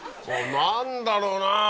何だろうなぁ。